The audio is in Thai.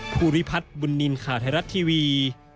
ภูริพัฒน์บุญนินทร์ข่าวไทยรัฐทีวี